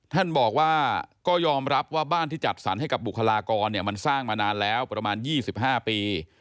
ท่านบอกว่าก็ยอมรับว่าบ้านที่จัดสรรให้กับบุคลากรมันสร้างมานานแล้วประมาณ๒๕ปี